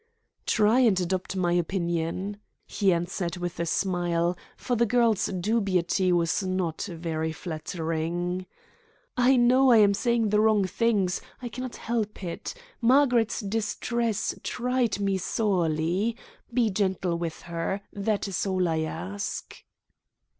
"Try and adopt my opinion," he answered, with a smile, for the girl's dubiety was not very flattering. "I know I am saying the wrong thing. I cannot help it. Margaret's distress tried me sorely. Be gentle with her that is all I ask."